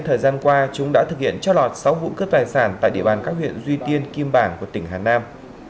thời gian qua chúng đã thực hiện cho lọt sáu vụ cướp tài sản tại địa bàn các huyện duy tiên kim bảng của tỉnh hà nam